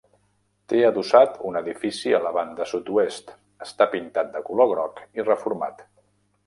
Té adossat un edifici a la banda sud-oest: està pintat de color groc i reformat.